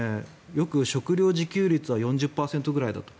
よく食料自給率は４０％ぐらいだと。